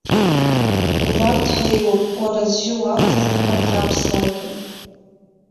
Убарҭ ҳреиуоуп уара зжьы уалҵыз ҳарҭ аԥсуаагьы.